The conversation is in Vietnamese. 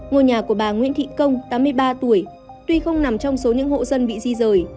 ngôi nhà của bà nguyễn thị công tám mươi ba tuổi tuy không nằm trong số những hộ dân bị di rời